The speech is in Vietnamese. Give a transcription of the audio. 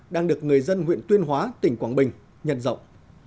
đang được người dân huyện tuyên hóa tỉnh quảng bình nhận rộng